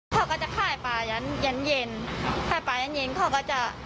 เขาก็จะค่ายปลายันยันเย็นเย็นค่ายปลายันเย็นเย็นเขาก็จะ